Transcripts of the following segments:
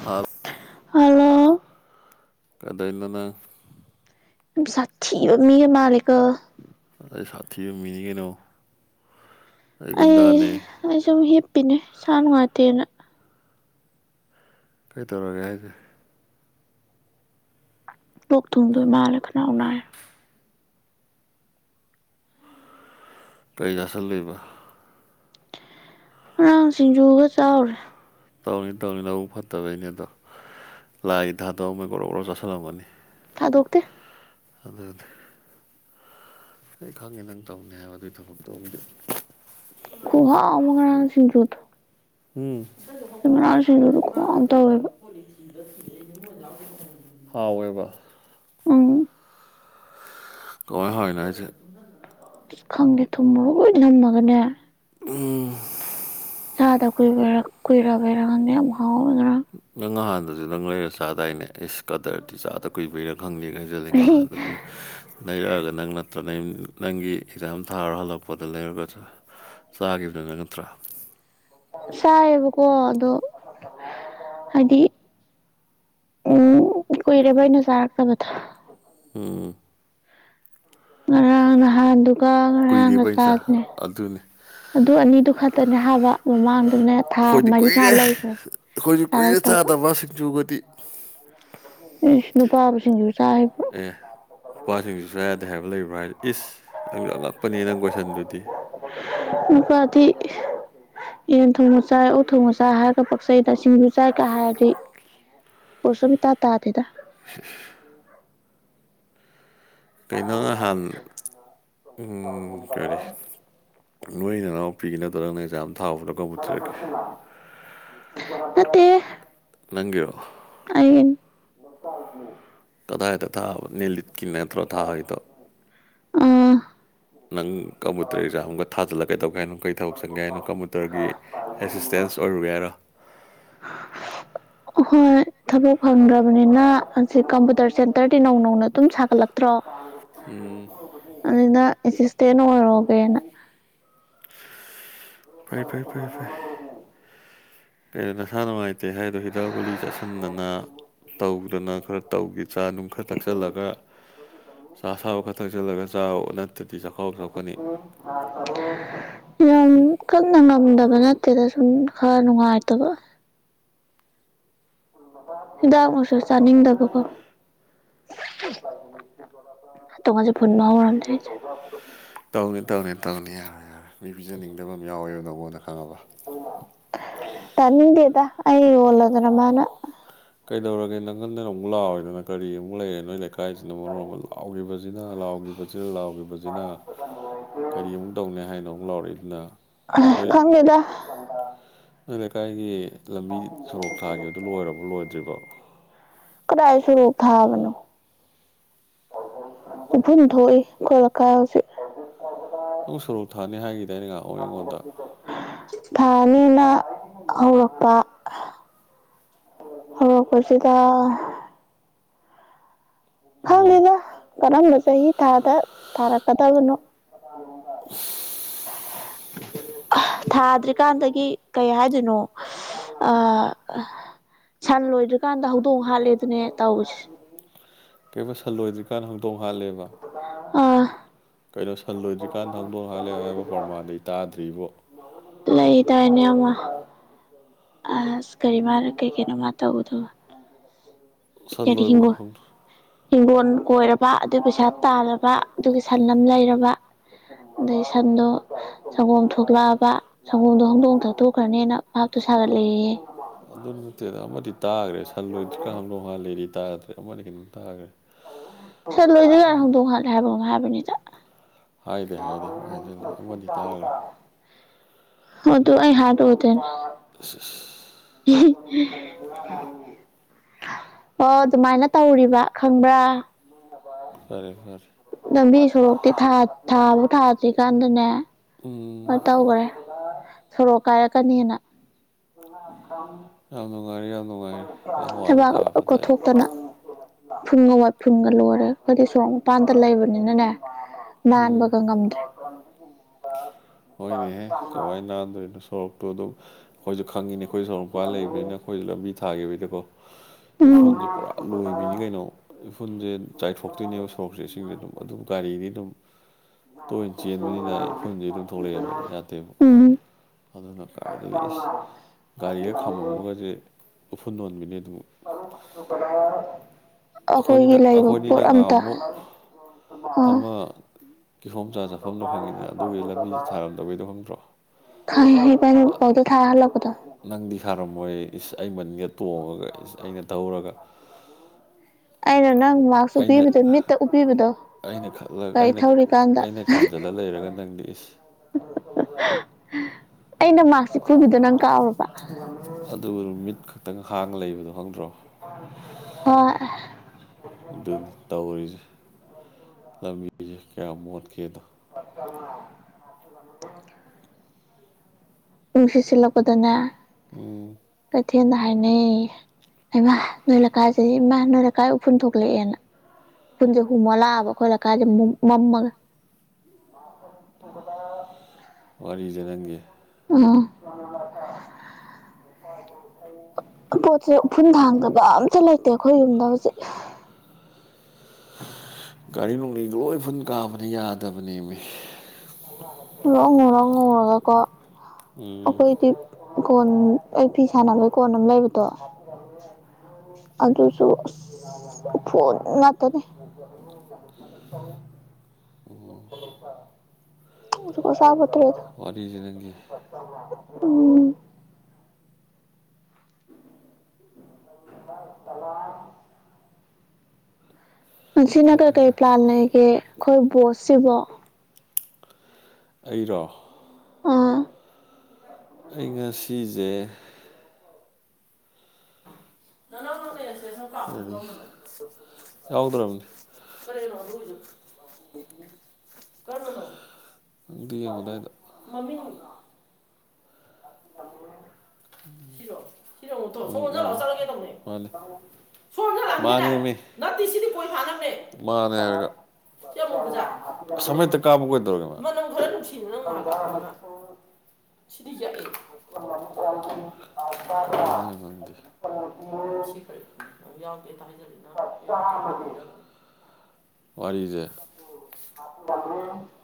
Half hello ꯀꯩꯗꯩꯅꯣ ꯅꯪ ꯌꯥꯝ ꯁꯥꯊꯤꯕ ꯃꯤꯒ ꯃꯥꯜꯂꯤꯀꯣ ꯑꯩ ꯁꯥꯊꯤꯕ ꯃꯤꯅꯤ ꯀꯩꯅꯣ ꯑꯩ ꯒꯨꯟꯗꯥꯅꯦ ꯑꯩ ꯁꯨꯝ ꯍꯤꯞꯄꯤꯅꯦ ꯏꯁꯥ ꯅꯨꯡꯉꯥꯏꯇꯦꯅ ꯀꯩꯗꯧꯔꯒꯦ ꯍꯥꯏꯁꯦ ꯂꯣꯛ ꯊꯨꯡꯗꯨꯏ ꯃꯥꯜꯂꯦ ꯈꯅꯥꯎ ꯅꯥꯏ ꯀꯩ ꯆꯥꯁꯤꯜꯂꯨꯏꯕ ꯉꯔꯥꯡ ꯁꯤꯡꯖꯨ ꯈꯔ ꯆꯥꯎꯔꯦ ꯇꯧꯅꯦ ꯇꯧꯅꯦ ꯅꯕꯨꯛ ꯐꯠꯇꯕꯩꯅꯦ ꯑꯗꯣ ꯂꯥꯏꯒꯤ ꯊꯥꯗꯣꯛꯑꯝꯃꯣꯏ ꯒ꯭ꯔꯣ ꯒ꯭ꯔꯣ ꯆꯥꯁꯤꯜꯂꯝꯒꯅꯤ ꯊꯥꯗꯣꯛꯇꯦ ꯑꯗꯨꯅꯦ ꯑꯩ ꯈꯪꯉꯦ ꯅꯪ ꯇꯧꯅꯤ ꯍꯥꯏꯕ ꯑꯗꯨꯒꯤ ꯊꯕꯛ ꯇꯨꯃꯗꯤ ꯈꯨꯍꯥꯎ ꯑꯃ ꯉꯔꯥꯡꯒꯤ ꯁꯤꯡꯖꯨꯗꯣ ꯎꯝ ꯉꯔꯥꯡ ꯁꯤꯡꯖꯨꯗꯣ ꯈꯨꯍꯥꯎ ꯑꯃ ꯇꯧꯋꯦꯕ ꯍꯥꯎꯋꯦꯕ ꯎꯝ ꯀꯃꯥꯏꯟ ꯍꯥꯎꯔꯤꯅꯣ ꯍꯥꯏꯖꯦ ꯈꯪꯗꯦ ꯊꯨꯝ ꯃꯣꯔꯣꯛ ꯂꯣꯏꯅ ꯅꯝꯃꯒꯅꯦ ꯎꯝ ꯆꯥꯗ ꯀꯨꯏꯕꯩꯔ ꯀꯨꯏꯔꯕꯩꯔ ꯈꯪꯗꯦ ꯌꯥꯝ ꯍꯥꯎꯋꯦ ꯉꯔꯥꯡ ꯅꯪ ꯉꯍꯟꯗꯖꯨ ꯅꯪ ꯂꯩꯔ ꯆꯥꯗꯥꯏꯅꯦ ꯏꯁ ꯀꯗꯔꯗꯤ ꯆꯥꯗ ꯀꯨꯏꯕꯩꯔꯥ ꯈꯪꯗꯦ ꯀꯥꯏ ꯍꯥꯏꯖꯜꯂꯦ ꯅꯍꯥꯟꯗꯖꯨ ꯂꯩꯔꯛꯑꯒ ꯅꯪ ꯅꯠꯇ꯭ꯔ ꯅꯪ ꯅꯪꯒꯤ ꯑꯦꯛꯖꯥꯝ ꯊꯥꯔꯨꯔꯒ ꯍꯜꯂꯛꯄꯗ ꯂꯩꯔꯒ ꯅꯠꯇ꯭ꯔ ꯆꯥꯒꯤꯕꯗꯨ ꯅꯪ ꯅꯠꯇ꯭ꯔꯥ ꯆꯥꯏꯌꯦꯕꯀꯣ ꯑꯗꯣ ꯍꯥꯏꯗꯤ ꯎꯝ ꯀꯨꯏꯔꯦꯕ ꯑꯩꯅ ꯆꯥꯔꯛꯇꯕꯗꯣ ꯎꯝ ꯉꯔꯥꯡ ꯍꯥꯟꯗꯨꯒ ꯉꯔꯥꯡꯒ ꯀꯨꯏꯔꯦꯕ ꯑꯩ ꯆꯥ ꯆꯥꯗꯨꯅꯦ ꯑꯗꯨꯅꯤ ꯑꯗꯨ ꯑꯅꯤꯗꯨ ꯈꯛꯇꯅꯦ ꯍꯥꯏꯕ ꯃꯃꯥꯡꯗꯅ ꯑꯈꯣꯏꯗꯤ ꯀꯨꯏꯔꯦ ꯑꯈꯣꯏꯖꯨ ꯀꯨꯏꯔꯦ ꯆꯥꯔꯛꯇꯕ ꯆꯥꯗꯕ ꯁꯤꯡꯖꯨꯒꯗꯤ ꯏꯁ ꯅꯨꯄꯥꯕꯨ ꯁꯤꯡꯖꯨ ꯆꯥ ꯍꯩꯕ꯭ꯔꯣ ꯑꯦ ꯅꯨꯄꯥ ꯁꯤꯡꯖꯨ ꯆꯥ ꯌꯥꯗꯦ ꯍꯥꯏꯕ ꯂꯩꯕ꯭ꯔꯣ ꯍꯥꯏꯁꯦ ꯏꯁ ꯅꯪꯖꯨ ꯑꯉꯛꯄꯅꯦ ꯅꯪ ꯀꯣꯏꯁꯟꯗꯨꯗꯤ ꯅꯨꯄꯥꯗꯤ ꯌꯦꯟ ꯊꯣꯡꯕ ꯆꯥꯏ ꯑꯣꯛ ꯊꯣꯡꯕ ꯆꯥꯏ ꯍꯥꯏꯔꯒ ꯄꯛꯆꯩꯗ ꯁꯤꯡꯖꯨ ꯆꯥꯏ ꯀꯥꯏ ꯍꯥꯏꯔꯗꯤ ꯄꯣꯁ ꯑꯃ ꯏꯇꯥ ꯇꯥꯗꯦꯗ ꯀꯩꯅꯣ ꯉꯍꯥꯟ ꯎꯝ ꯀꯔꯤ ꯅꯣꯏ ꯏꯅꯥꯎꯄꯤꯒꯤ ꯅꯠꯇ꯭ꯔꯣ ꯅꯪꯅ ꯑꯦꯛꯖꯥꯝ ꯊꯥꯎꯕꯗꯣ ꯀꯝꯕꯨꯇꯔꯒꯤ ꯅꯠꯇꯦ ꯅꯪꯒꯤꯔꯣ ꯑꯩꯒꯤꯅꯤ ꯀꯗꯥꯏꯗ ꯊꯥꯕ ꯅꯦꯅꯤꯠꯀꯤ ꯅꯠꯇ꯭ꯔꯣ ꯊꯥꯔꯤꯗꯣ ꯑꯥ ꯅꯪ ꯀꯝꯕꯨꯇꯔ ꯑꯦꯛꯖꯝꯒ ꯊꯥꯖꯜꯂꯀꯩꯗꯧꯒꯦ ꯍꯥꯏꯅꯣ ꯀꯩ ꯊꯕꯛ ꯁꯟꯒꯦ ꯍꯥꯏꯅꯣ ꯀꯝꯕꯨꯇꯔꯒꯤ ꯑꯦꯁꯤꯁꯇꯦꯟꯁ ꯑꯣꯏꯔꯨꯒꯦ ꯍꯥꯏꯔꯣ ꯍꯣꯏ ꯊꯕꯛ ꯐꯪꯗ꯭ꯔꯕꯅꯤꯅ ꯖꯤꯛ ꯀꯝꯕꯨꯇꯔ ꯁꯦꯟꯇꯔꯗꯤ ꯅꯧ ꯅꯧꯅ ꯑꯗꯨꯝ ꯁꯥꯒꯠꯂꯛꯇ꯭ꯔꯣ ꯎꯝ ꯑꯗꯨꯅ ꯑꯦꯁꯤꯁꯇꯦꯟ ꯑꯣꯏꯔꯨꯔꯒꯦꯅ ꯐꯩ ꯐꯩ ꯐꯩ ꯐꯩ ꯀꯩꯅꯣ ꯅꯁꯥ ꯅꯨꯡꯉꯥꯏꯇꯦ ꯍꯥꯏꯗꯣ ꯍꯤꯗꯥꯛ ꯒꯨꯂꯤ ꯆꯥꯁꯟꯗꯅ ꯇꯧꯗꯅ ꯈꯔ ꯇꯧꯒ ꯆꯥ ꯅꯨꯡ ꯈꯔ ꯊꯛꯆꯜꯂꯒ ꯆꯥ ꯑꯁꯕ ꯈꯔ ꯊꯛꯆꯜꯂꯒ ꯆꯥꯎ ꯇꯠꯗꯤ ꯆꯥꯛꯈꯥꯎ ꯁꯣꯛꯀꯅꯤ ꯌꯥꯝ ꯀꯟꯅ ꯉꯝꯗꯕ ꯅꯠꯇꯦꯗ ꯁꯨꯝ ꯈꯔ ꯅꯨꯡꯉꯥꯏꯇꯕ ꯍꯤꯗꯥꯛꯃꯨꯁꯨ ꯆꯥꯅꯤꯡꯗꯕꯀꯣ ꯇꯣꯃꯁꯦ ꯐꯨꯟꯕ ꯍꯧꯔꯝꯗꯔꯦ ꯆꯟ ꯇꯧꯅꯤ ꯇꯧꯅꯤ ꯇꯧꯅꯤ ꯌꯥꯔꯦ ꯌꯥꯔꯦ ꯃꯤ ꯄꯤꯖꯅꯤꯡꯗꯕ ꯑꯃ ꯌꯥꯎꯋꯦꯕ ꯅꯉꯣꯟꯗ ꯈꯪꯉꯕ ꯇꯅꯤꯡꯗꯦꯗ ꯑꯩ ꯋꯥꯂꯗꯅ ꯃꯥꯅ ꯀꯩꯗꯧꯔꯒꯦ ꯅꯪꯉꯟꯗꯅ ꯑꯃꯨꯛ ꯂꯥꯎꯢꯗꯨꯅ ꯀꯔꯤ ꯑꯃꯨꯛ ꯂꯩꯔꯦ ꯅꯣꯏ ꯂꯩꯀꯥꯏꯁꯤꯅ ꯃꯔꯣꯟ ꯑꯃ ꯂꯥꯎꯒꯤꯕꯖꯤꯅ ꯅ ꯂꯥꯎꯒꯤꯕꯖꯤ ꯂꯥꯎꯒꯤꯕꯖꯤꯅ ꯀꯔꯤꯃꯨꯛ ꯇꯧꯅꯤ ꯍꯥꯏꯅꯣ ꯑꯃꯨꯛ ꯂꯥꯎꯔꯛꯏꯗꯨꯅ ꯑꯍ ꯈꯪꯗꯦꯗ ꯅꯣꯢ ꯂꯩꯀꯥꯏꯒꯤ ꯂꯝꯕꯤ ꯁꯣꯔꯣꯛ ꯊꯥꯈꯤꯕꯗꯨ ꯂꯣꯏꯔꯕꯣ ꯂꯣꯏꯗ꯭ꯔꯤꯕꯣ ꯀꯗꯥꯏ ꯁꯔꯨꯞ ꯊꯥꯕꯅꯨ ꯎꯐꯨꯟ ꯊꯣꯛꯢ ꯈꯣꯢ ꯂꯩꯀꯥꯢ ꯍꯧꯖꯤꯛ ꯅꯪ ꯁꯣꯔꯣꯛ ꯊꯥꯅꯤ ꯍꯥꯏꯈꯤꯗꯏꯅ ꯉ ꯊꯥꯅꯤꯅ ꯍꯧꯔꯛꯄ ꯍꯧꯔꯛꯄꯁꯤꯗ ꯑꯥ ꯐꯪꯗꯦꯗ ꯀꯔꯝꯕ ꯆꯍꯤ ꯊꯥꯗ ꯊꯥꯔꯛꯀꯗꯕꯅꯣ [unintelligible] ꯊꯥꯗ꯭ꯔꯤꯀꯥꯟꯗꯒꯤ ꯀꯩ ꯍꯥꯏꯗꯣꯏꯅꯣ ꯑꯥ ꯑ ꯁꯟ ꯂꯣꯏꯗ꯭ꯔꯤꯀꯥꯟꯗ ꯍꯧꯗꯣꯡ ꯍꯥꯠꯂꯦꯗꯨꯅꯦ ꯇꯧꯔꯤꯁꯦ ꯀꯩꯕ ꯁꯜ ꯂꯣꯏꯗ꯭ꯔꯤꯀꯥꯟꯅ ꯍꯗꯣꯡ ꯍꯥꯠꯂꯦꯕ ꯑ ꯀꯩꯅꯣ ꯁꯟ ꯂꯣꯏꯗ꯭ꯔꯤꯀꯥꯟꯗ ꯍꯥꯡꯗꯣꯡ ꯍꯥꯠꯂꯦ ꯍꯥꯏꯕ ꯄ꯭ꯔꯃꯥꯟꯗꯤ ꯑꯩ ꯇꯥꯗ꯭ꯔꯤꯕꯣ ꯂꯩꯗꯥꯢꯅꯦ ꯑꯃ ꯑꯁ ꯀꯔꯤ ꯃꯥꯅ ꯀꯩ ꯀꯩꯅꯣ ꯃꯥ ꯇꯧꯕꯗꯨꯕꯣ ꯁꯟ ꯀꯔꯤ ꯂꯣꯏꯕ ꯍꯤꯡꯒꯣꯜ ꯍꯤꯡꯒꯣꯜ ꯀꯣꯏꯔꯕ ꯑꯗꯨꯏ ꯄꯩꯁꯥ ꯇꯥꯜꯂꯕ ꯑꯗꯨꯒꯤ ꯁꯟ ꯑꯃ ꯂꯩꯔꯕ ꯑꯗꯩ ꯁꯟꯗꯣ ꯁꯪꯒꯣꯝ ꯊꯣꯛꯂꯛꯑꯕ ꯁꯪꯝꯒꯣꯝꯗꯣ ꯍꯧꯗꯣꯡ ꯊꯛꯇꯣꯛꯈ꯭ꯔꯅꯦꯅ ꯚꯥꯞꯇꯨ ꯁꯥꯒꯠꯂꯦꯌꯦ ꯑꯗꯨ ꯅꯠꯇꯦꯗ ꯑꯃꯗꯤ ꯇꯥꯒ꯭ꯔꯦ ꯁꯟ ꯂꯣꯏꯗ꯭ꯔꯤꯀꯥꯟ ꯍꯧꯗꯣꯡ ꯍꯥꯠꯂꯦꯗꯤ ꯇꯥꯗ꯭ꯔꯦ ꯑꯃꯗꯤ ꯀꯩꯅꯣꯝ ꯇꯥꯒ꯭ꯔꯦ ꯁꯟ ꯂꯣꯏꯗꯤꯒꯥꯟ ꯍꯧꯗꯣꯡ ꯍꯠꯂꯦ ꯍꯥꯏꯕ ꯑꯃ ꯍꯥꯏꯕꯅꯤꯗ ꯍꯥꯏꯗꯦ ꯍꯥꯏꯗꯦ ꯕꯨꯡꯍꯥꯢ ꯍꯥꯢꯖꯤꯜꯂꯦ ꯑꯗꯨ ꯑꯩ ꯍꯥ ꯇ ꯑꯣꯏ ꯇ ꯑꯁ [unintelligible] ꯍꯨꯝ [unintelligible] ꯑꯣ ꯑꯗꯨꯃꯥꯏꯅ ꯇꯧꯔꯤꯕ ꯈꯪꯕ꯭ꯔꯥ ꯐꯔꯦ ꯐꯔꯦ ꯂꯝꯕꯤ ꯁꯣꯔꯣꯛꯇꯤ ꯊꯥ ꯊꯥꯕꯨ ꯊꯥꯗ꯭ꯔꯤꯀꯥꯟꯗꯅꯦ ꯎꯝ ꯕ ꯇꯧꯒ꯭ꯔꯦ ꯁꯣꯔꯣꯛ ꯀꯥꯏꯔꯛꯀꯅꯤꯅ ꯌꯥꯝ ꯅꯨꯡꯉꯥꯏꯔꯦ ꯌꯥꯝ ꯅꯨꯡꯉꯥꯏꯔꯦ ꯅꯪ ꯋꯥꯗꯣ ꯊꯕꯥꯛ ꯂꯣꯏ ꯇꯥꯕꯗ ꯑꯩ ꯀꯣꯠꯊꯣꯛꯇꯅ ꯏꯐꯨꯟꯒ ꯋꯥꯏꯐꯨꯟꯒ ꯂꯣꯏꯔꯦ ꯑꯩꯈꫭꯏꯗꯤ ꯁꯣꯔꯣꯛ ꯃꯄꯥꯟꯗ ꯂꯩꯕꯅꯤꯅꯅꯦ ꯎꯝ ꯅꯥꯟꯕꯒ ꯉꯝꯗ꯭ꯔꯦ ꯍꯣꯏꯅꯦꯍꯦ ꯀꯃꯥꯏ ꯅꯥꯟꯗꯣꯏꯅꯣ ꯁꯣꯔꯣꯛꯇꯨ ꯑꯗꯨꯝ ꯑꯩꯈꯣꯏꯁꯨ ꯈꯪꯉꯤꯅꯦ ꯑꯩꯈꯣꯏꯁꯨ ꯁꯣꯔꯣꯛ ꯃꯄꯥꯟ ꯂꯩꯕꯅꯤꯅ ꯑꯩꯈꯣꯏꯁꯨ ꯂꯝꯕꯤ ꯊꯥꯈꯤꯕꯒꯤꯀꯣ ꯎꯝ ꯏꯐꯨꯟꯁꯦ ꯄꯨꯔꯥ ꯂꯣꯏꯕꯤꯅꯤ ꯀꯩꯅꯣ ꯏꯐꯨꯟꯁꯦ ꯆꯥꯏꯊꯣꯛꯇꯣꯏꯅꯦꯕ ꯁꯣꯔꯣꯛꯁꯦ ꯏꯁꯤꯡꯁꯦ ꯑꯗꯨꯝ ꯑꯗꯨꯝ ꯒꯥꯔꯤꯗꯤ ꯑꯗꯨꯝ [inaudible] ꯁꯤ ꯑꯗꯨꯝ ꯊꯣꯛꯂꯛꯑꯦꯕ ꯌꯥꯗꯦꯕ ꯑꯗꯨꯅ ꯀꯥꯏꯗꯒꯤ ꯏꯁ ꯒꯥꯔꯤꯒ ꯈꯥꯝꯃꯝꯕꯒꯁꯦ ꯎꯐꯨꯟ ꯑꯣꯟꯕꯤꯅꯤ ꯑꯗꯨꯝ ꯑꯈꯣꯏꯅꯤꯅ ꯑꯩꯈꯣꯏꯒꯤ ꯂꯩꯕ ꯑꯩꯈꯣꯏꯅꯤꯅ ꯄꯣꯠ ꯑꯝꯇ ꯉꯍꯥꯟꯃꯨꯛ ꯑ ꯑꯃ ꯀꯤꯍꯣꯝ ꯆꯥ ꯆꯠꯐꯝꯗꯣ ꯈꯪꯉꯤꯗꯅ ꯑꯗꯨꯒꯤ ꯂꯝꯕꯤ ꯊꯥꯔꯝꯗꯕꯩꯗꯣ ꯈꯪꯗ꯭ꯔꯣ꯫ ꯈꯪꯉ°ꯍ° ꯏꯕꯥꯟꯅꯤ ꯄꯥꯎꯗꯔ ꯊꯥꯔ ꯍꯟꯂꯛꯄꯗꫭ ꯅꯪꯗꯤ ꯊꯥꯔꯝꯃꯣꯏ ꯏꯁ ꯑꯩ ꯃꯅꯤꯡꯗ ꯇꯣꯡꯉꯒ ꯏꯁ ꯑꯩꯅ ꯇꯧꯔꯒ ꯑꯩꯅ ꯅꯪ ꯃꯥꯛꯁ ꯑꯩꯅ ꯎꯞꯄꯤꯕꯗꯣ ꯃꯤꯠꯇ ꯎꯞꯄꯤꯕꯗꯣ ꯑꯩꯅ ꯈꯜꯂ ꯒꯥꯔꯤ ꯑꯩꯅ ꯊꯧꯔꯤꯀꯥꯟꯗ ꯑꯩꯅ ꯈꯟꯖꯤꯜꯂ ꯂꯩꯔꯒ ꯅꯪꯗꯤ ꯏꯁ ꯑꯩꯅ ꯃꯥꯛꯁ ꯎꯞꯄꯤꯕꯗꯣ ꯅꯪ ꯀꯥꯎꯔꯕ ꯑꯗꯨꯒ ꯃꯤꯠ ꯈꯛꯇꯪ ꯍꯥꯡꯉ ꯂꯩꯕꯗꯣ ꯈꯪꯗ꯭ꯔꯣ ꯍꫭꯏ ꯗꯨꯅꯤ ꯇꯧꯔꯤꯖꯦ ꯂꯝꯕꯤꯖꯦ ꯀꯌꯥꯝ ꯃꯣꯠꯀꯦꯗꯣ [inaudible] ꯅꯨꯡꯁꯤꯠ ꯁꯤꯜꯂꯛꯄꯗꯅꯦ ꯎꯝ ꯀꯩꯊꯦꯟꯗ ꯍꯥꯏꯅꯩꯌ°ꯌ° ꯍꯩꯃꯥ ꯅꯣꯏ ꯂꯩꯀꯥꯏꯁꯤꯗꯤ ꯏꯃꯥ ꯅꯣꯏ ꯂꯩꯀꯥꯏ ꯎꯐꯨꯟ ꯊꯣꯛꯂꯛꯑꯦꯅ ꯎꯐꯨꯟꯁꯦ ꯍꯨꯝꯃ ꯂꯥꯛꯑꯕ ꯑꯩꯈꯣꯏ ꯂꯩ ꯀꯥꯏ [unintelligible] ꯃꯝꯃꯒ ꯋꯥꯔꯤꯖꯦ ꯅꯪꯒꯤ ꯎꯝ [inaudible] ꯄꯣꯠꯁꯦ ꯎꯐꯨꯟ ꯊꯥꯡꯗꯕ ꯑꯝꯇ ꯂꯩꯇꯦ ꯑꯩꯈꯣꯏ ꯌꯨꯝꯗ ꯍꯧꯖꯤꯛ꯫ ꯒꯥꯔꯤ ꯅꯨꯡꯂꯤ ꯂꯣꯏ ꯏꯐꯨꯟ ꯀꯥꯕꯅ° ꯌꯥꯗꯕꯅꯦꯃꯤ꯫ ꯉꯧꯔꯣꯛ ꯉꯧꯔꯣꯛ ꯉꯧꯔꯒꯀꫭ ꯎꯝ ꯑꯩꯈꯣꯏꯗꯤ ꯀꯣꯟ ꯑꯩ ꯐꯤ ꯁꯥꯟꯅꯕꯩ ꯀꯣꯟ ꯑꯝ ꯂꯩꯕꯗꯣ ꯑꯗꯨꯖꯨ ꯑꯁ ꯎꯐꯨꯟ ꯉꯥꯛꯇꯅꯤ [inaudible] ꯎꯝ [unintelligible] ꯋꯥꯔꯤꯖꯦ ꯅꯪꯒꯤ ꯎꯝ [inaudible] ꯉꯁꯤꯅ ꯀꯩꯀꯩ ꯄ꯭ꯂꯥꯟ ꯂꯩꯒꯦ ꯈꯣꯏ ꯕꯣꯁꯁꯤꯕꯣ ꯑꯩꯔꯣ ꯑꯥ ꯑꯩ ꯉꯁꯤꯖ° [unintelligible] ꯌꯥꯎꯗ꯭ꯔꯕꯅꯤ [unintelligible] [inaudible] ꯀꯔꯝꯕꯅꯣ ꯑꯝꯇ ꯌ°ꯡꯎ ꯑꯗꯥꯏꯗ ꯃꯃꯤꯡ [inaudible] ꯁꯤꯔꯣ ꯁꯤꯔꯣ ꯌꯦꯡꯉꯣꯇꯣ ꯁꯣꯝ ꯑꯣꯟꯁꯟꯂꯛꯑꯣ ꯆꯠꯂꯒꯦ ꯇꯧꯕꯅꯦ ꯃꯥꯅꯦ [unintelligible] ꯃꯥꯟꯅꯦ ꯍꯥꯏꯔꯒ [unintelligible] ꯑꯁ ꯑꯃꯍꯦꯛꯇ ꯀꯥꯞꯄꯨ ꯀꯩꯗꯧꯔꯒꯦ ꯃꯥ ꯃꯅꯝ ꯈꯔ ꯅꯨꯡꯁꯤꯕ ꯅꯪ ꯉꯍꯥꯟ ꯀꯥꯞꯄꯗꯨꯅ ꯁꯤꯗꯤ ꯌꯥꯛꯑꯦ ꯀꯔꯤ ꯍꯥꯏꯅꯣ ꯈꯈꯪꯗꯦ ꯎꯝ ꯁꯤ [unintelligible] ꯌꯥꯎꯗꯦ ꯍꯦꯛꯇ ꯍꯥꯏꯖꯜꯂꯤ ꯅꯡꯅ ꯀꯥꯞꯍꯟꯅꯤꯡꯗꯔ꯭ꯒ ꯋꯥꯔꯤꯖꯦ [inaudible]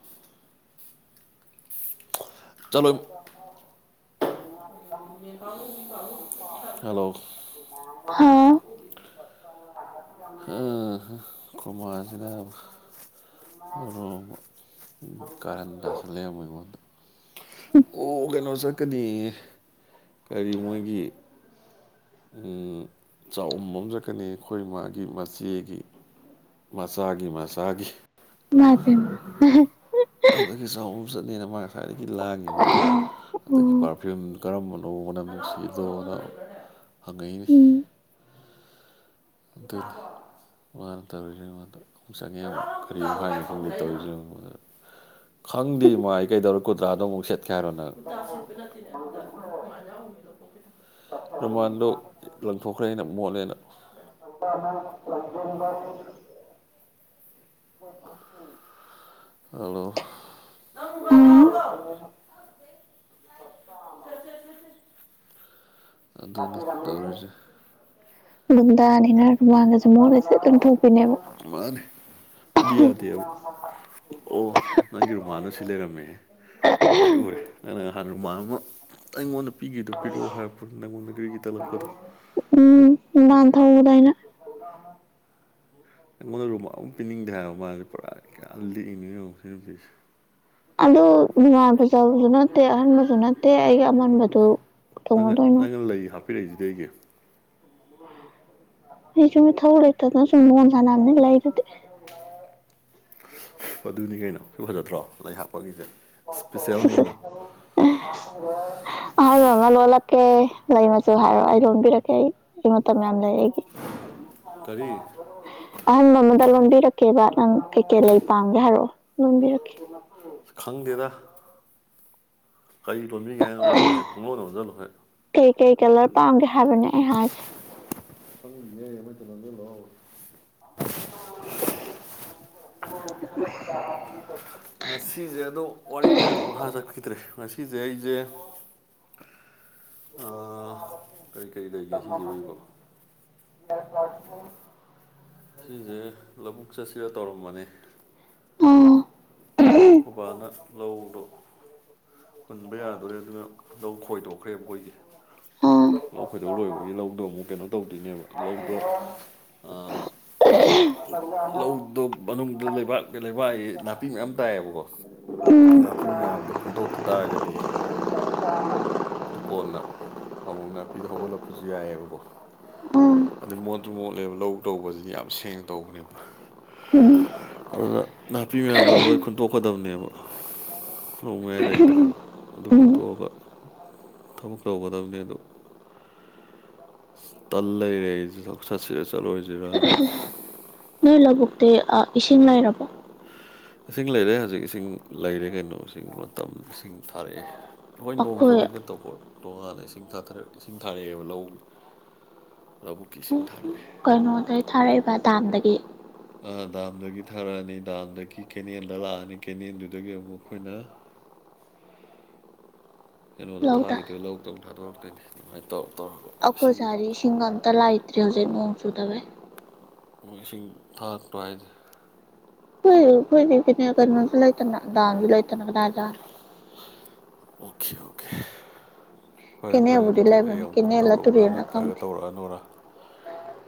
ꯆꯠꯂꯣ [inaudible] ꯍꯜꯂꯣ [unintelligible] ꯍꯥꯎ ꯈꯣꯃꯥꯁꯤꯅꯕ ꯀꯥꯔꯟ ꯇꯥꯁꯜꯂꯦ ꯑꯃꯨꯛ ꯑꯩꯉꯣꯟꯗ ꯑꯣ ꯀꯩꯅꯣ ꯆꯠꯀꯅꯤꯌꯦ ꯀꯔꯤ ꯃꯣꯏꯒꯤ ꯎꯝ ꯆꯥꯎꯝꯕ ꯑꯃ ꯆꯠꯀꯅꯦꯌꯦ ꯑꯩꯈꯣꯏ ꯃꯥꯒꯤ ꯃꯆꯦꯒꯤ ꯃꯆꯥꯒꯤ ꯃꯆꯥꯒꯤ ꯏꯃꯥꯏꯄꯦꯝꯃꯥ ꯍꯤꯖꯥꯎ ꯑꯝ ꯆꯠꯅꯦꯅ ꯃꯥ ꯉꯁꯥꯏꯗꯒꯤ ꯂꯥꯡꯉꯤ ꯃꯥ ꯑꯗꯒꯤ ꯎꯝ ꯄꯥꯔ ꯐ꯭ꯌꯨꯝ ꯀꯔꯝꯕꯅꯣ ꯃꯅꯝ ꯅꯨꯡꯁꯤꯗꯣꯅ ꯍꯪꯉꯛꯏꯅꯤ ꯎꯝ ꯑꯗꯨꯒꯤ ꯃꯥꯅ ꯇꯧꯔꯤꯖꯦ ꯑꯩꯉꯣꯟꯗ ꯑꯃꯨꯛ ꯆꯪꯉꯦ ꯑꯃꯨꯛ ꯀꯔꯤꯃꯨꯛ ꯍꯥꯏꯅꯣ ꯈꯪꯗ ꯇꯧꯔꯤꯁꯦ ꯌꯦꯡꯉꯨ ꯑꯩꯉꯣꯟꯗ ꯈꯪꯗꯦ ꯏꯃꯥ ꯑꯩ ꯀꯩꯗꯧꯔꯦ ꯀꯨꯔꯇꯥꯗꯣ ꯑꯃꯨꯛ ꯁꯦꯠꯀꯦ ꯍꯥꯏꯔꯣ ꯅꯪ ꯀꯨꯔꯇꯥ ꯁꯦꯠꯄ ꯅꯠꯇꯦꯅꯦ ꯑꯗꯨꯗ ꯔꯨꯃꯥꯟꯗꯣ ꯂꯪꯊꯣꯛꯈ꯭ꯔꯦ ꯑꯩꯅ ꯃꯣꯠꯂꯦꯅ [unintelligible] [unintelligible] ꯎꯝ ꯍꯜꯂꯣ ꯍꯥꯎ ꯁꯦꯁꯦꯁꯦꯁꯦ ꯑꯗꯨꯅꯤ ꯇꯧꯔꯤꯁꯦ ꯒꯨꯟꯗꯥꯅꯤꯅ ꯔꯨꯃꯥꯜꯒꯖꯦ ꯃꯣꯠꯂ ꯍꯦꯛꯇ ꯂꯪꯊꯣꯛ ꯑ ꯃꯥꯅꯦ ꯑꯩꯗꯤ ꯌꯥꯗꯦꯕ ꯑꯣ ꯅꯪꯒꯤ ꯔꯨꯃꯥꯟꯗꯣ ꯁꯤ ꯂꯩꯔꯝꯃꯦꯍꯦ ꯑꯩ ꯎꯔꯦ ꯅꯪꯅ ꯉꯍꯥꯟ ꯔꯨꯃꯥꯟ ꯑꯃ ꯑꯩꯉꯣꯟꯗ ꯄꯤꯒꯤꯕꯗꯣ ꯄꯤꯔꯛꯑꯣ ꯍꯥꯏꯔꯛꯄꯗꯣ ꯅꯉꯣꯟꯗ ꯒꯤꯔꯤꯒꯤꯔꯤ ꯇꯛꯂꯛꯄꯗꯣ ꯎꯝ ꯔꯨꯃꯥꯟ ꯊꯧꯕꯗꯣ ꯑꯩꯅ ꯑꯩꯉꯣꯟꯗ ꯔꯨꯃꯥꯜ ꯑꯝꯕꯧ ꯄꯤꯅꯤꯡꯗꯦ ꯍꯥꯏꯕ ꯃꯥꯖꯦ ꯄꯨꯔꯥ ꯀꯌꯥ ꯂꯤꯛꯏꯅꯣ ꯌꯦꯡꯉꯣ ꯁꯤ ꯅꯨꯄꯤꯁꯦ ꯑꯗꯨ ꯔꯨꯃꯥꯜ ꯐꯖꯕꯁꯨ ꯅꯠꯇꯦ ꯑꯍꯟꯕꯁꯨ ꯅꯠꯇꯦ ꯑꯩꯒꯤ ꯑꯃꯟꯕꯗꯨ ꯅꯪꯅ ꯀꯩꯗꯧꯅꯗꯣꯏꯅꯣ ꯅꯪꯅ ꯂꯩ ꯍꯥꯞꯄꯤꯔꯛꯏꯖꯤꯗꯤ ꯑꯩꯒꯤ ꯑꯩ ꯁꯨꯝ ꯏꯊꯧ ꯂꯩꯇꯗꯅ ꯁꯨꯝ ꯂꯣꯟ ꯁꯥꯟꯕꯅꯤ ꯂꯩꯗꯨꯗꯤ ꯑꯗꯨꯅꯤ ꯀꯩꯅꯣ ꯁꯤ ꯐꯖꯗ꯭ꯔꯣ ꯂꯩ ꯍꯥꯞꯄꯒꯤꯁꯦ ꯏꯁꯄꯤꯁꯦꯜꯅꯤ ꯀꯩꯅꯣ [unintelligible] ꯑꯍꯥꯟꯕ ꯑꯃ ꯂꯣꯜꯂꯛꯀꯦ ꯂꯩ ꯃꯆꯨ ꯍꯥꯏꯔꯣ ꯑꯩ ꯂꯣꯟꯕꯤꯔꯛꯀꯦ ꯑꯩ ꯑꯩ ꯃꯇꯝ ꯌꯥꯝ ꯂꯩ ꯑꯩꯒꯤ ꯀꯔꯤ [unintelligible] ꯑꯍꯟꯕ ꯑꯃꯗ ꯂꯣꯟꯕꯤꯔꯛꯀꯦꯕ ꯅꯪ ꯀꯩꯀꯩ ꯂꯩ ꯄꯥꯝꯒꯦ ꯍꯥꯏꯔꯛꯑꯣ ꯂꯣꯟꯕꯤꯔꯛꯀꯦ [unintelligible] ꯈꯪꯗꯦꯗ ꯀꯔꯤ ꯂꯣꯟꯕꯤꯒꯦ ꯍꯥꯏꯅꯣ ꯂꯣꯜꯂꯣ ꯍꯦꯛ ꯄꯨꯡꯂꯣꯟ ꯂꯣꯟꯖꯜꯂꯣ ꯍꯦꯛ ꯀꯩ ꯀꯩ ꯀꯂꯔ ꯄꯥꯝꯒꯦ ꯍꯥꯏꯕꯅꯦ ꯑꯩ ꯍꯥꯏꯁꯦ ꯈꯪꯗꯤꯌꯦ ꯑꯃꯍꯦꯛꯇ ꯂꯣꯟꯖꯜꯂꯛꯑꯣ [unintelligible] ꯉꯁꯤꯖꯦ ꯑꯗꯨꯝ ꯋꯥꯔꯤꯗꯣ ꯑꯃꯨꯛ ꯃꯈꯥ ꯆꯠꯈꯤꯗ꯭ꯔꯦ ꯉꯁꯤꯖꯦ ꯑꯩꯖꯦ ꯑ ꯀꯩ ꯀꯩ ꯂꯩꯒꯦ ꯉꯁꯤꯖꯤꯕꯣ ꯑꯩꯕꯣ [unintelligible] ꯁꯤꯖꯦ ꯂꯧꯕꯨꯛ ꯆꯠꯁꯤꯔ ꯇꯧꯔꯝꯕꯅꯦ ꯎꯝ ꯑꯈꯣꯕꯥꯅ ꯂꯧꯗꯣ ꯍꯨꯟꯕ ꯌꯥꯗꯣꯔꯦ ꯑꯗꯨꯅ ꯂꯧ ꯈꯣꯏꯗꯣꯛꯈ꯭ꯔꯦꯕ ꯑꯩꯈꯣꯏꯒꯤ ꯑꯥ ꯂꯧ ꯈꯣꯏꯗꯧ ꯂꯣꯏꯕꯒꯤ ꯂꯧꯗꯣ ꯑꯃꯨꯛ ꯀꯩꯅꯣ ꯇꯧꯗꯣꯏꯅꯦꯕ ꯂꯧꯗꯣ ꯑꯥ ꯂꯧꯗꯣ ꯃꯅꯨꯡꯗ ꯂꯩꯕꯥꯛ ꯀꯩ ꯂꯩꯕꯥꯛꯑꯌ‌ꯦ ꯅꯥꯄꯤ ꯃꯌꯥꯝ ꯇꯥꯏꯌꯦꯕꯀꯣ ꯎꯝ ꯅꯥꯄꯤ ꯃꯌꯥꯝꯗꯣ ꯈꯨꯟꯗꯣꯛꯇ ꯇꯥꯔꯒꯗꯤ ꯑꯗꯨ ꯀꯣꯟꯅꯥ ꯑꯃꯨꯛ ꯅꯥꯄꯤꯗꯣ ꯍꯧꯒꯠꯂꯛꯄꯁꯨ ꯌꯥꯏꯌ‌ꯦꯕꯀꯣ ꯎꯝ ꯑꯗꯩꯩ ꯃꯣꯠꯁꯨ ꯃꯣꯠꯂꯦꯕ ꯂꯧ ꯇꯧꯕꯁꯤꯗꯤ ꯌꯥꯝ ꯁꯦꯡꯅ ꯇꯧꯕꯅꯦꯕ ꯎꯝ ꯑꯗꯨꯅ ꯅꯥꯄꯤ ꯃꯌꯥꯝꯗꯣ ꯂꯣꯏ ꯈꯨꯟꯇꯣꯛꯀꯗꯕꯅꯦꯕ ꯂꯧ ꯃꯌꯥꯏ ꯂꯩꯗꯣ ꯑꯗꯨ ꯎꯝ ꯈꯨꯟꯇꯣꯛꯑꯒ ꯊꯕꯛ ꯇꯧꯒꯗꯕꯅꯦ ꯑꯗꯣ ꯇꯜ ꯂꯩꯔꯦ ꯑꯩꯖꯦ ꯂꯧ ꯆꯠꯁꯤꯔ ꯆꯠꯂꯣꯏꯖꯤꯔꯥꯅ ꯅꯣꯏ ꯂꯧꯕꯨꯛꯇꯤ ꯑꯥ ꯏꯁꯤꯡ ꯂꯩꯔꯕꯣ ꯏꯁꯤꯡ ꯂꯩꯔꯦ ꯍꯧꯖꯤꯛ ꯏꯁꯤꯡ ꯂꯩꯔꯦ ꯀꯩꯅꯣ ꯏꯁꯤꯡ ꯃꯇꯝ ꯏꯁꯤꯡ ꯊꯥꯔꯛꯑꯦ ꯍꯣꯏ ꯅꯣꯡ ꯑꯩꯈꯣꯏ ꯆꯨꯕꯩꯩꯅ ꯇꯧꯕꯥ ꯇꯣꯉꯥꯟꯅ ꯏꯁꯤꯡ ꯊꯥꯊꯔꯛ ꯏꯁꯤꯡ ꯊꯥꯔꯛꯑꯦꯕ ꯂꯧ ꯂꯧꯕꯨꯛꯀꯤ ꯏꯁꯤꯡ ꯊꯥꯔꯛꯑꯦ ꯀꯩꯅꯣꯗꯩꯩ ꯊꯥꯔꯛꯏꯕ ꯗꯥꯝꯗꯒꯤ ꯑꯥ ꯗꯥꯝꯗꯒꯤ ꯊꯥꯔꯛꯑꯅꯤ ꯗꯥꯝꯗꯒꯤ ꯀꯦꯅꯦꯜꯗ ꯂꯥꯛꯑꯅꯤ ꯀꯦꯅꯦꯜꯗꯨꯗꯒꯤ ꯑꯃꯨꯛ ꯑꯩꯈꯣꯏꯅ ꯀꯩꯅꯣꯗꯣ ꯂꯧꯗ ꯊꯥꯈꯤꯗꯣꯏ ꯂꯧꯗꯧ ꯊꯥꯗꯣꯔꯛꯇꯣꯏꯅꯦ ꯑꯗꯨꯃꯥꯏ ꯇꯧꯔ ꯇꯧꯔꯒ ꯑꯈꯣꯏ ꯏꯁꯤꯡꯁꯦ ꯁꯥꯏꯗꯤ ꯏꯁꯤꯡꯒꯥ ꯑꯝꯇꯥ ꯂꯥꯏꯇ꯭ꯔꯤ ꯍꯧꯖꯤꯛ ꯅꯣꯡ ꯆꯨꯗꯕꯩ ꯃꯣꯏ ꯏꯁꯤꯡ ꯊꯥꯔꯛꯇꯔꯣ ꯍꯥꯏꯁꯦ ꯑ‌ꯦ ꯑꯩꯈꫭꯏꯗꯤ ꯀ‌ꯦꯅ‌‌ꯦꯜ ꯀꯩꯅꯣꯖꯨ ꯂꯩꯇꯅꯥ ꯗꯝꯖꯨ ꯂꯩꯇꯅꯥ ꯀꯗꯥꯏꯗꯥ ꯑꯣꯀꯦ ꯑꯣꯀꯦ ꯐꯔꯦ ꯐꯔꯦ ꯀꯦꯅꯦꯜꯕꯨꯗꯤ ꯑꯗꯨꯗꯤ ꯑꯩ ꯂꯩꯕꯅꯤ ꯑꯃꯨꯛꯀ ꯀꯦꯅꯦꯜꯂ ꯇꯧꯔꯛꯎꯔꯥ ꯇꯨꯔꯦꯜꯂ ꯅꯠꯇ꯭ꯔꯒꯥ ꯈꯪꯗꯦ ꯇꯧꯔꯛꯑꯅꯣꯔꯥ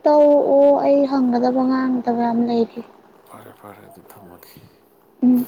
ꯇꯧꯑꯣ ꯑꯩ ꯍꯪꯒꯗꯕ ꯉꯥꯡꯗꯕ ꯌꯥꯝ ꯂꯩꯔꯤ ꯐꯔꯦ ꯐꯔꯦ ꯑꯗꯨꯗꯤ ꯊꯝꯃꯒꯦ ꯎꯝ